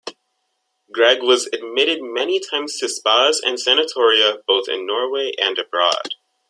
Grieg was admitted many times to spas and sanatoria both in Norway and abroad.